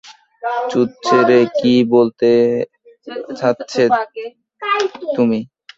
চুদছে রে কি বলতে চাচ্ছো তুমি?